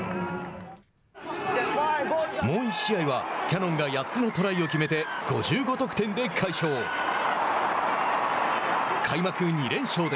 もう１試合は、キヤノンが８つのトライを決めて５５得点で快勝。